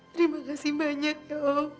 terima kasih banyak ya allah